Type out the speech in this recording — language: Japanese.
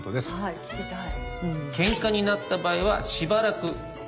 聞きたい。